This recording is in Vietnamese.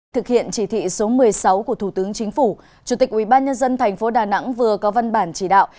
thực hiện chỉ thị số một mươi sáu của thủ tướng chính phủ chủ tịch ubnd tp đà nẵng vừa có văn bản chỉ đạo